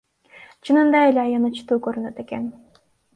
Чынында эле аянычтуу көрүнөт экен.